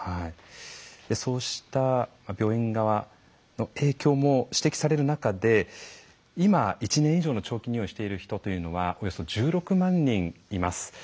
そうした病院側の影響も指摘される中で今１年以上の長期入院をしている人というのはおよそ１６万人います。